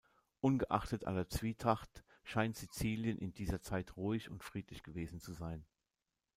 Ungeachtet aller Zwietracht scheint Sizilien in dieser Zeit ruhig und friedlich gewesen zu sein.